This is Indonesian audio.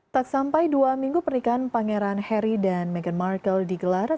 tak sampai dua minggu pernikahan pangeran harry dan meghan markle digelar